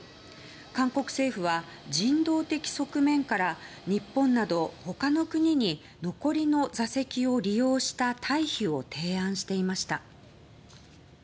韓国政府は、人道的側面から日本など他の国に残りの座席を利用した退避を提案していました。